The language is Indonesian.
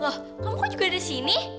loh kamu kok juga ada di sini